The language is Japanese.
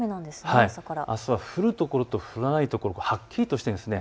あすは降る所と降らないところがはっきりしているんです。